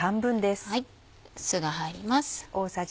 酢が入ります。